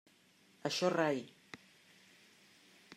Això rai.